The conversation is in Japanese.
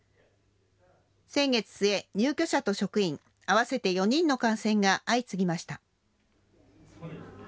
先月末、入居者と職員合わせて４人の感染が相次ぎました。